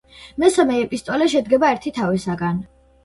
მესამე ეპისტოლე შედგება ერთი თავისაგან.